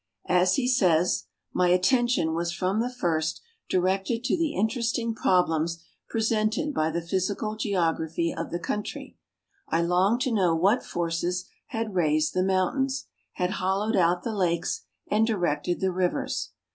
As he says: " My attention was from the first directed to the interesting 2)roblems presented by the'physical geography of the country. I longed to know what forces had raised the mountains, had hollowed out the lakes, and directed the rivers.